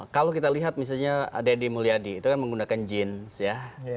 kalau kita lihat misalnya deddy mulyadi itu kan menggunakan jeans ya